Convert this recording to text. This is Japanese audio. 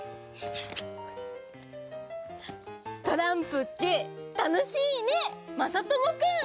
トランプってたのしいねまさともくん。